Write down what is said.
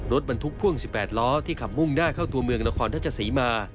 รถบรรทุกพ่วง๑๘ล้อที่ขับมุ่งหน้าเข้าตัวเมืองนครทัชศรีมา